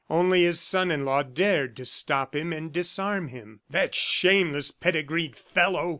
Only his son in law dared to stop him and disarm him. "That shameless pedigreed fellow!"